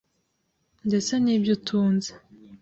ndetse n’ibyo utunze.